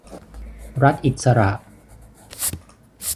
รัฐอิสระ